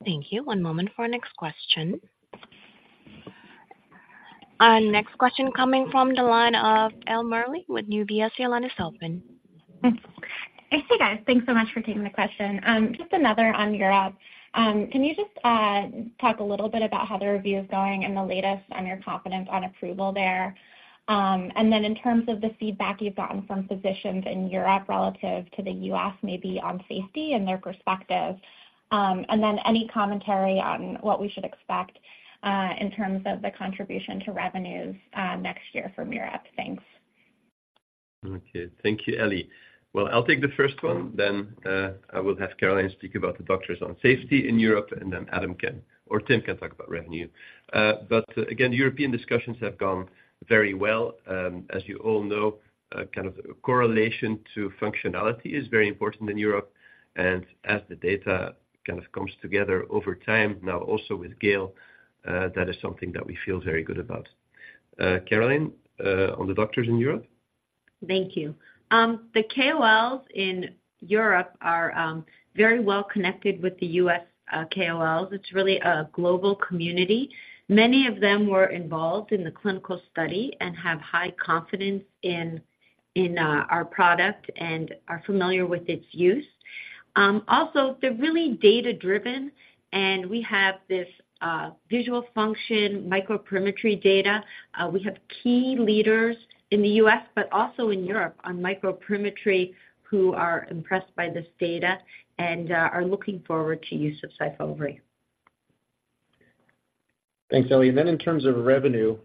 Speaker 1: Thank you. One moment for our next question. Our next question coming from the line of Ellie Merle with UBS. Your line is open.
Speaker 14: Hey, guys. Thanks so much for taking the question. Just another on Europe. Can you just talk a little bit about how the review is going and the latest on your confidence on approval there? And then in terms of the feedback you've gotten from physicians in Europe relative to the U.S., maybe on safety and their perspective. And then any commentary on what we should expect in terms of the contribution to revenues next year from Europe? Thanks.
Speaker 3: Okay. Thank you, Ellie. Well, I'll take the first one, then I will have Caroline speak about the doctors on safety in Europe, and then Adam can or Tim can talk about revenue. But again, European discussions have gone very well. As you all know, kind of correlation to functionality is very important in Europe, and as the data kind of comes together over time, now also with GALE, that is something that we feel very good about. Caroline, on the doctors in Europe.
Speaker 5: Thank you. The KOLs in Europe are very well connected with the U.S. KOLs. It's really a global community. Many of them were involved in the clinical study and have high confidence in our product and are familiar with its use. Also, they're really data-driven, and we have this visual function, microperimetry data. We have key leaders in the U.S., but also in Europe, on microperimetry, who are impressed by this data and are looking forward to use of SYFOVRE.
Speaker 6: Thanks, Ellie. Then in terms of revenue,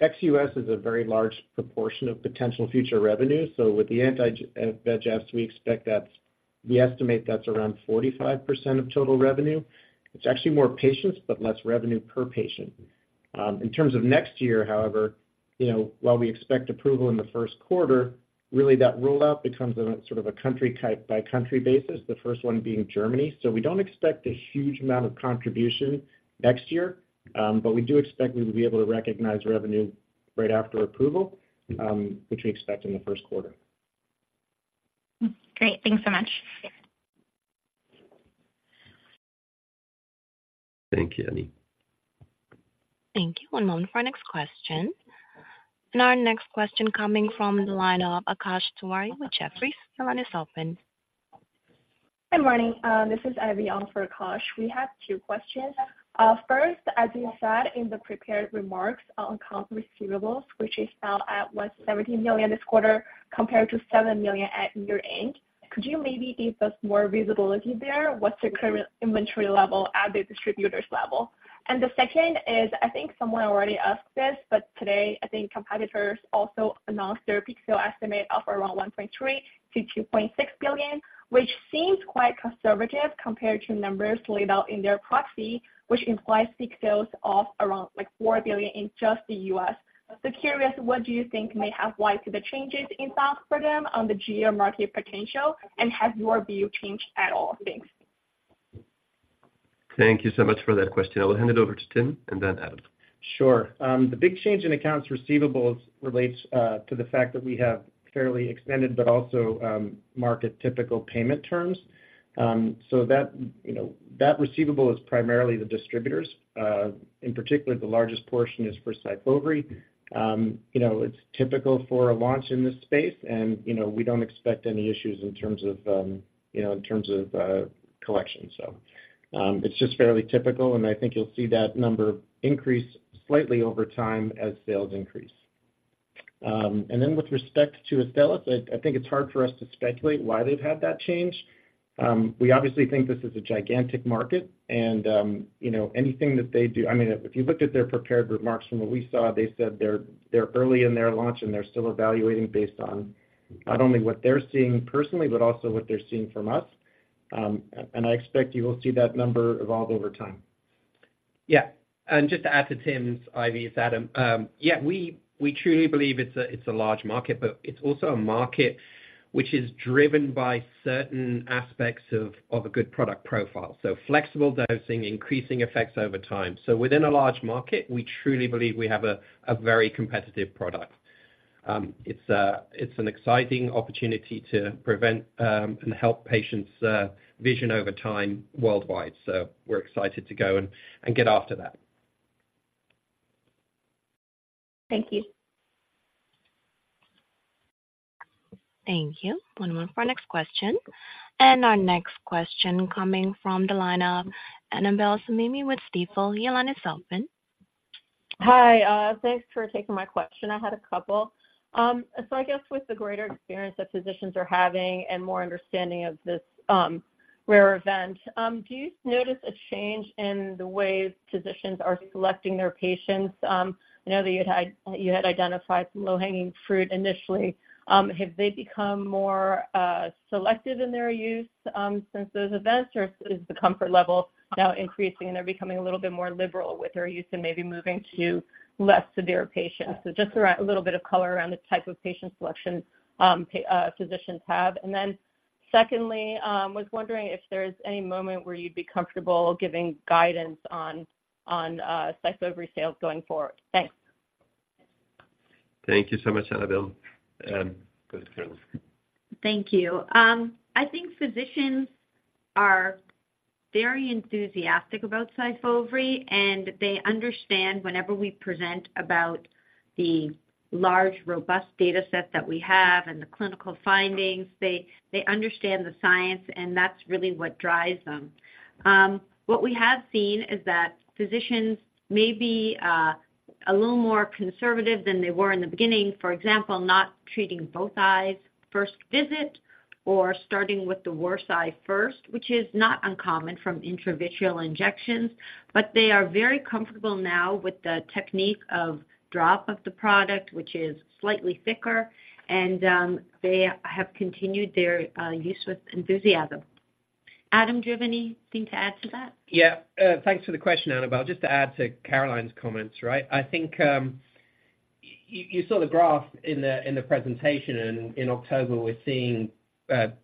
Speaker 6: ex-US is a very large proportion of potential future revenue. So with the anti-VEGF, we expect that's we estimate that's around 45% of total revenue. It's actually more patients, but less revenue per patient. In terms of next year, however, you know, while we expect approval in the first quarter, really, that rollout becomes a sort of a country type, by country basis, the first one being Germany. So we don't expect a huge amount of contribution next year, but we do expect we will be able to recognize revenue right after approval, which we expect in the first quarter.
Speaker 14: Great. Thanks so much.
Speaker 3: Thank you, Annie.
Speaker 1: Thank you. One moment for our next question. Our next question coming from the line of Akash Tewari with Jefferies. Your line is open.
Speaker 15: Good morning, this is Ivy on for Akash. We have two questions. First, as you said in the prepared remarks on accounts receivable, which is now at, what, $17 million this quarter, compared to $7 million at year-end, could you maybe give us more visibility there? What's your current inventory level at the distributor's level? And the second is, I think someone already asked this, but today, I think competitors also announced their peak sales estimate of around $1.3 billion-$2.6 billion, which seems quite conservative compared to numbers laid out in their proxy, which implies peak sales of around, like, $4 billion in just the U.S. So curious, what do you think may have led to the changes in thoughts for them on the GA market potential, and has your view changed at all? Thanks.
Speaker 3: Thank you so much for that question. I will hand it over to Tim and then Adam.
Speaker 6: Sure. The big change in accounts receivables relates to the fact that we have fairly extended but also market typical payment terms. So that, you know, that receivable is primarily the distributors. In particular, the largest portion is for SYFOVRE. You know, it's typical for a launch in this space, and, you know, we don't expect any issues in terms of, you know, in terms of collection. So, it's just fairly typical, and I think you'll see that number increase slightly over time as sales increase. And then with respect to Astellas, I think it's hard for us to speculate why they've had that change. We obviously think this is a gigantic market and, you know, anything that they do—I mean, if you looked at their prepared remarks from what we saw, they said they're early in their launch, and they're still evaluating based on not only what they're seeing personally, but also what they're seeing from us. And I expect you will see that number evolve over time.
Speaker 4: Yeah. And just to add to Tim's, Ivy, it's Adam. Yeah, we truly believe it's a large market, but it's also a market which is driven by certain aspects of a good product profile. So flexible dosing, increasing effects over time. So within a large market, we truly believe we have a very competitive product. It's an exciting opportunity to prevent and help patients' vision over time worldwide. So we're excited to go and get after that.
Speaker 15: Thank you.
Speaker 1: Thank you. One moment for our next question. Our next question coming from the line of Annabel Samimy with Stifel. Your line is open.
Speaker 16: Hi, thanks for taking my question. I had a couple. So I guess with the greater experience that physicians are having and more understanding of this rare event, do you notice a change in the way physicians are selecting their patients? I know that you had identified some low-hanging fruit initially. Have they become more selective in their use since those events, or is the comfort level now increasing, and they're becoming a little bit more liberal with their use and maybe moving to less severe patients? So just around, a little bit of color around the type of patient selection physicians have. And then secondly, was wondering if there's any moment where you'd be comfortable giving guidance on SYFOVRE sales going forward. Thanks.
Speaker 3: Thank you so much, Annabel. Go to Caroline.
Speaker 5: Thank you. I think physicians are very enthusiastic about SYFOVRE, and they understand whenever we present about the large, robust data set that we have and the clinical findings, they understand the science, and that's really what drives them. What we have seen is that physicians may be a little more conservative than they were in the beginning. For example, not treating both eyes first visit or starting with the worse eye first, which is not uncommon from intravitreal injections, but they are very comfortable now with the technique of draw up of the product, which is slightly thicker, and they have continued their use with enthusiasm. Adam, do you have anything to add to that?
Speaker 4: Yeah. Thanks for the question, Annabel. Just to add to Caroline's comments, right? I think you saw the graph in the presentation, and in October, we're seeing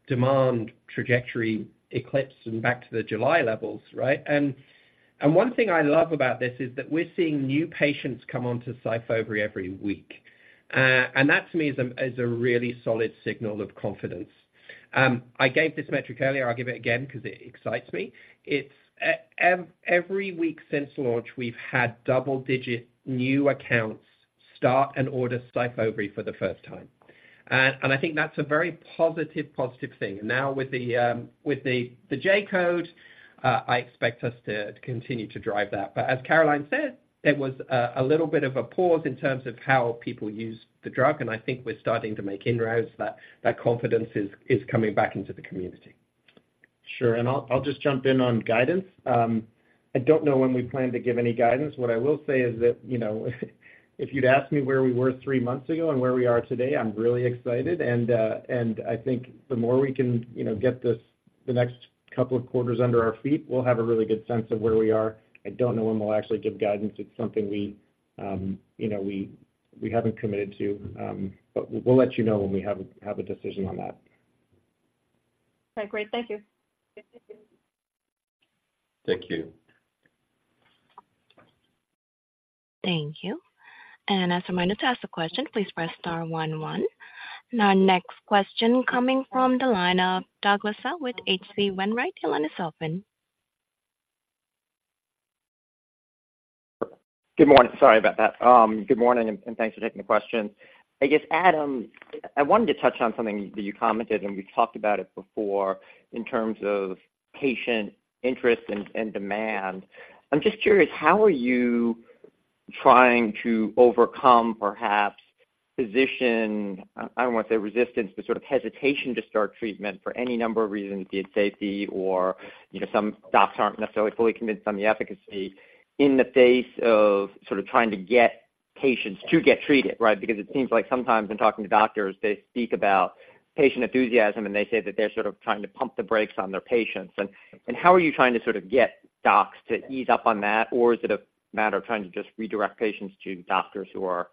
Speaker 4: demand trajectory eclipse and back to the July levels, right? And one thing I love about this is that we're seeing new patients come onto SYFOVRE every week. And that, to me, is a really solid signal of confidence. I gave this metric earlier. I'll give it again because it excites me. It's every week since launch, we've had double-digit new accounts start and order SYFOVRE for the first time. And I think that's a very positive thing. Now, with the J-code, I expect us to continue to drive that. But as Caroline said, there was a little bit of a pause in terms of how people use the drug, and I think we're starting to make inroads. That confidence is coming back into the community.
Speaker 6: Sure, and I'll, I'll just jump in on guidance. I don't know when we plan to give any guidance. What I will say is that, you know, if you'd asked me where we were three months ago and where we are today, I'm really excited. And, and I think the more we can, you know, get this, the next couple of quarters under our feet, we'll have a really good sense of where we are. I don't know when we'll actually give guidance. It's something we, you know, we, we haven't committed to. But we'll let you know when we have a, have a decision on that.
Speaker 16: Okay, great. Thank you. Thank you.
Speaker 3: Thank you.
Speaker 1: Thank you. As a reminder, to ask a question, please press star one one. Now, next question coming from the line of Douglas Tsao with H.C. Wainwright. Your line is open.
Speaker 17: Good morning. Sorry about that. Good morning, and thanks for taking the question. I guess, Adam, I wanted to touch on something that you commented, and we've talked about it before in terms of patient interest and demand. I'm just curious, how are you trying to overcome perhaps physician—I, I don't want to say resistance, but sort of hesitation to start treatment for any number of reasons, be it safety or, you know, some docs aren't necessarily fully convinced on the efficacy, in the face of sort of trying to get patients to get treated, right? Because it seems like sometimes when talking to doctors, they speak about patient enthusiasm, and they say that they're sort of trying to pump the brakes on their patients. And how are you trying to sort of get docs to ease up on that? Or is it a matter of trying to just redirect patients to doctors who are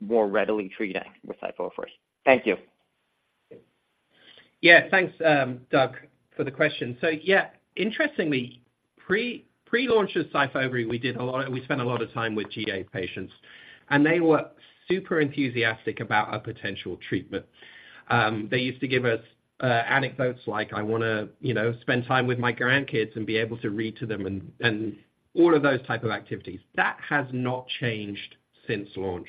Speaker 17: more readily treating with SYFOVRE? Thank you.
Speaker 4: Yeah. Thanks, Doug, for the question. So yeah, interestingly, pre-launch of SYFOVRE, we spent a lot of time with GA patients, and they were super enthusiastic about our potential treatment. They used to give us anecdotes like, "I wanna, you know, spend time with my grandkids and be able to read to them," and all of those type of activities. That has not changed since launch.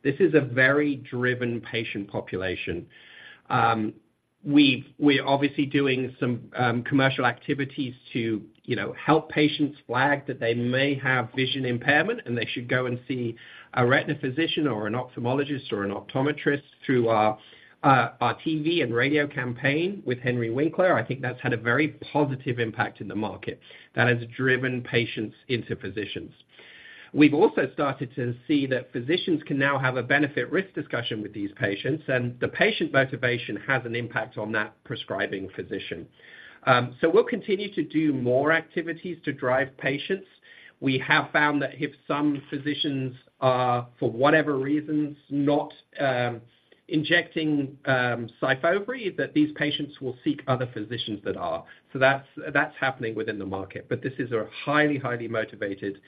Speaker 4: This is a very driven patient population. We're obviously doing some commercial activities to, you know, help patients flag that they may have vision impairment, and they should go and see a retina physician or an ophthalmologist or an optometrist through our TV and radio campaign with Henry Winkler. I think that's had a very positive impact in the market that has driven patients into physicians. We've also started to see that physicians can now have a benefit-risk discussion with these patients, and the patient motivation has an impact on that prescribing physician. So we'll continue to do more activities to drive patients. We have found that if some physicians are, for whatever reasons, not injecting SYFOVRE, that these patients will seek other physicians that are. So that's, that's happening within the market. But this is a highly, highly motivated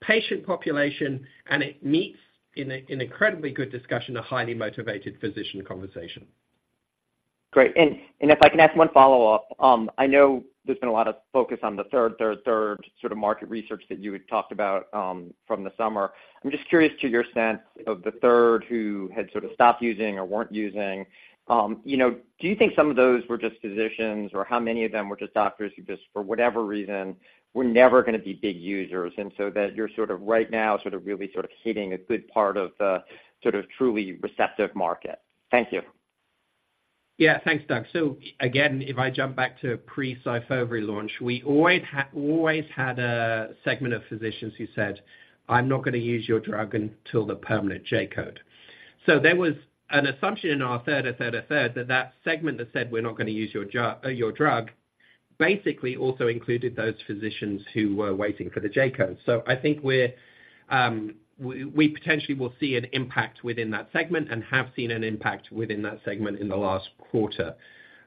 Speaker 4: patient population, and it meets in an incredibly good discussion, a highly motivated physician conversation.
Speaker 17: Great. And if I can ask one follow-up. I know there's been a lot of focus on the third sort of market research that you had talked about from the summer. I'm just curious to your sense of the third who had sort of stopped using or weren't using. You know, do you think some of those were just physicians, or how many of them were just doctors who, just for whatever reason, were never gonna be big users, and so that you're sort of right now, sort of really sort of hitting a good part of the sort of truly receptive market? Thank you.
Speaker 4: Yeah. Thanks, Doug. So again, if I jump back to pre-SYFOVRE launch, we always had a segment of physicians who said, "I'm not gonna use your drug until the permanent J-code." So there was an assumption in our 1/3, 1/3, 1/3, that that segment that said, "We're not gonna use your drug," basically also included those physicians who were waiting for the J-code. So I think we're, we potentially will see an impact within that segment and have seen an impact within that segment in the last quarter.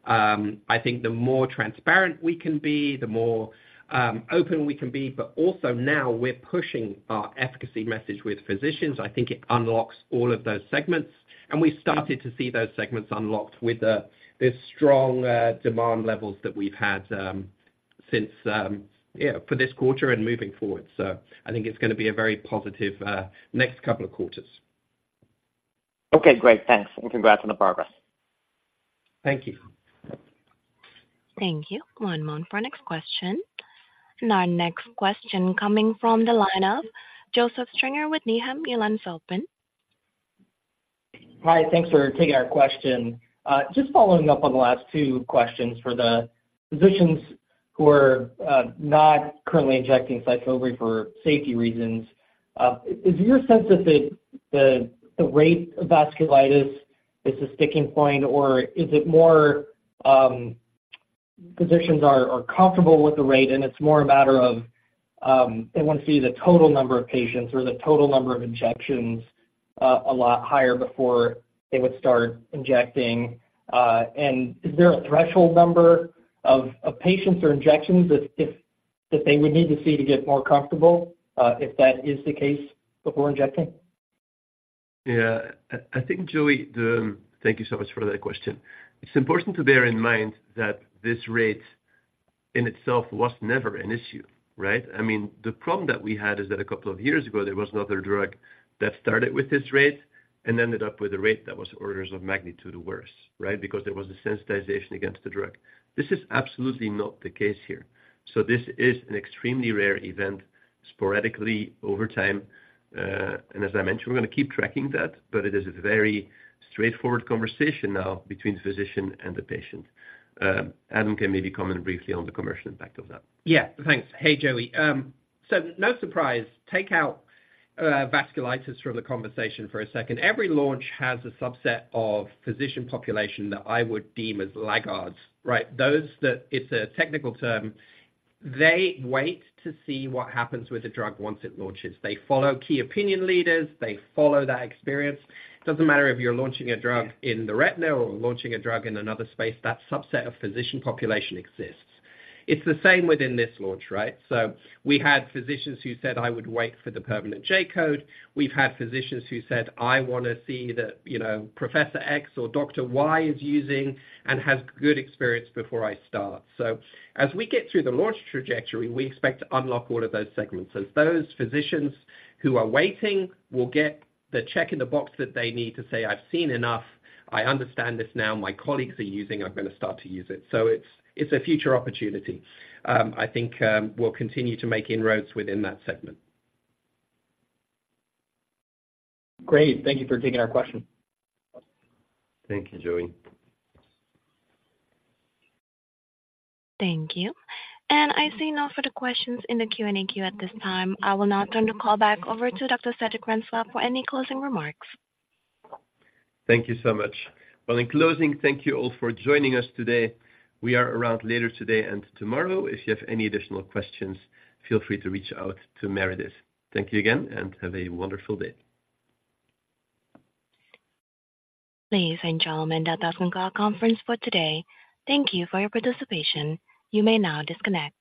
Speaker 4: I think the more transparent we can be, the more open we can be, but also now we're pushing our efficacy message with physicians. I think it unlocks all of those segments, and we've started to see those segments unlocked with this strong demand levels that we've had since yeah for this quarter and moving forward. So I think it's gonna be a very positive next couple of quarters.
Speaker 17: Okay, great. Thanks, and congrats on the progress.
Speaker 4: Thank you.
Speaker 1: Thank you. One moment for our next question. Our next question coming from the line of Joseph Stringer with Needham. Your line is open.
Speaker 18: Hi, thanks for taking our question. Just following up on the last two questions for the physicians who are not currently injecting SYFOVRE for safety reasons. Is your sense that the rate of vasculitis is a sticking point, or is it more physicians are comfortable with the rate and it's more a matter of they want to see the total number of patients or the total number of injections a lot higher before they would start injecting? And is there a threshold number of patients or injections that they would need to see to get more comfortable, if that is the case, before injecting?
Speaker 3: Yeah. I think, Joey. Thank you so much for that question. It's important to bear in mind that this rate in itself was never an issue, right? I mean, the problem that we had is that a couple of years ago, there was another drug that started with this rate and ended up with a rate that was orders of magnitude worse, right? Because there was a sensitization against the drug. This is absolutely not the case here. So this is an extremely rare event sporadically over time. And as I mentioned, we're going to keep tracking that, but it is a very straightforward conversation now between the physician and the patient. Adam can maybe comment briefly on the commercial impact of that.
Speaker 4: Yeah, thanks. Hey, Joey. So no surprise, take out vasculitis from the conversation for a second. Every launch has a subset of physician population that I would deem as laggards, right? Those that, it's a technical term. They wait to see what happens with the drug once it launches. They follow key opinion leaders, they follow that experience. It doesn't matter if you're launching a drug in the retina or launching a drug in another space, that subset of physician population exists. It's the same within this launch, right? So we had physicians who said, "I would wait for the permanent J-code." We've had physicians who said, "I want to see that, you know, Professor X or Dr. Y is using and has good experience before I start." So as we get through the launch trajectory, we expect to unlock all of those segments. As those physicians who are waiting will get the check in the box that they need to say, "I've seen enough, I understand this now, my colleagues are using, I'm going to start to use it." So it's, it's a future opportunity. I think we'll continue to make inroads within that segment.
Speaker 18: Great. Thank you for taking our question.
Speaker 3: Thank you, Joey.
Speaker 1: Thank you. I see no further questions in the Q&A queue at this time. I will now turn the call back over to Dr. Cedric Francois for any closing remarks.
Speaker 3: Thank you so much. Well, in closing, thank you all for joining us today. We are around later today and tomorrow. If you have any additional questions, feel free to reach out to Meredith. Thank you again, and have a wonderful day.
Speaker 1: Ladies and gentlemen, that does conclude our conference for today. Thank you for your participation. You may now disconnect.